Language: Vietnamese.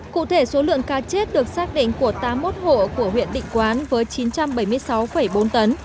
cụ thể số lượng cá chết được xác định của tám mươi một hộ của huyện định quán với chín trăm bảy mươi sáu bốn tấn